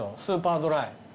スーパードライ。